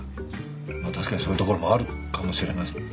まあ確かにそういうところもあるかもしれないですけど。